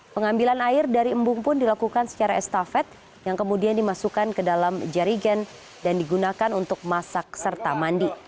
pengambilan air dari embung pun dilakukan secara estafet yang kemudian dimasukkan ke dalam jarigen dan digunakan untuk masak serta mandi